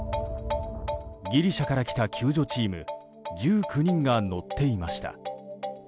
ギリシャから来た救助チーム１９人が乗っていました。